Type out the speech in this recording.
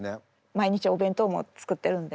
毎日お弁当も作ってるんで。